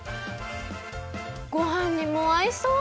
ごはんにもあいそう！